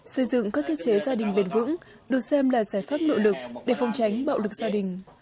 xây dựng các thiết chế gia đình bền vững được xem là giải pháp nội lực để phong tránh bạo lực gia đình